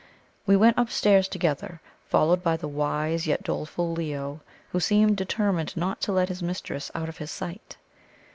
We went upstairs together, followed by the wise yet doleful Leo, who seemed determined not to let his mistress out of his sight.